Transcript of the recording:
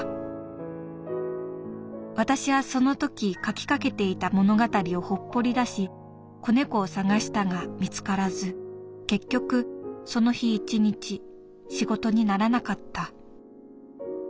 私はその時書きかけていた物語をほっぽりだし子猫を探したが見つからず結局その日一日仕事にならなかった」。